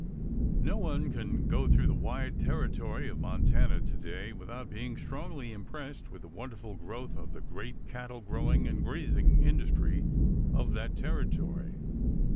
No one can go through the wide territory of Montana to day without being strongly impressed with the wonderful growth of the great cattle growing and grazing industry of that territory.